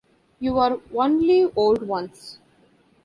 You're Only Old Once!